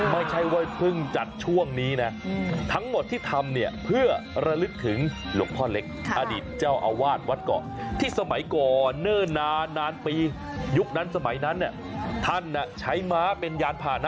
ไม่ใช่ว่าเพิ่งจัดช่วงนี้นะทั้งหมดที่ทำเนี่ยเพื่อระลึกถึงหลวงพ่อเล็กอดีตเจ้าอาวาสวัดเกาะที่สมัยก่อนเนิ่นนานนานปียุคนั้นสมัยนั้นเนี่ยท่านใช้ม้าเป็นยานผ่านนะ